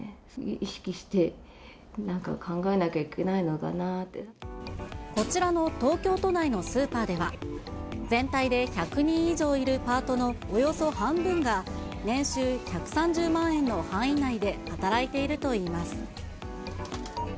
意識して、なんか考えなきゃいけこちらの東京都内のスーパーでは、全体で１００人以上いるパートのおよそ半分が年収１３０万円の範囲内で働いているといいます。